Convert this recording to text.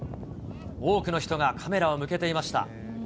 多くの人がカメラを向けていました。